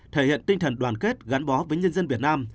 thể hiện tinh thần đoàn kết gắn bó với nhân dân việt nam